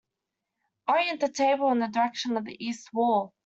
Orient the table in the direction of the east wall.